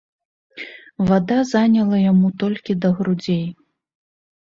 Вада заняла яму толькі да грудзей.